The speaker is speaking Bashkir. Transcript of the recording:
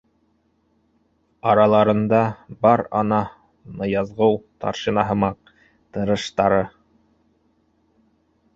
Араларында бар ана Ныязғол старшина һымаҡ тырыштары.